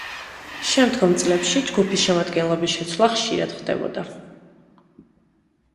შემდგომ წლებში ჯგუფის შემადგენლობის შეცვლა ხშირად ხდებოდა.